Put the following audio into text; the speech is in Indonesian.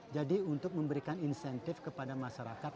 jadi untuk memberikan insentif kepada masyarakat